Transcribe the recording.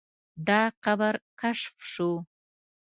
دا قبر کشف شو.